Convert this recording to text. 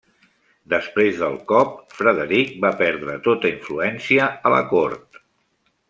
Després del cop, Frederic va perdre tota influència a la cort.